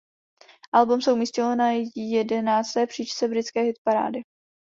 Album se umístilo na jedenácté příčce britské hitparády.